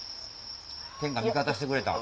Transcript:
天が味方してくれた。